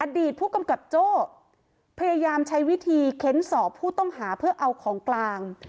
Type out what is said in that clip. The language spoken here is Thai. อดีตผู้กำกับโจ้พยายามใช้วิธีเค้นสอบผู้ต้องหาเพื่อเอาของกลาง